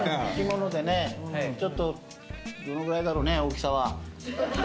ちょっとどのぐらいだろうね大きさは。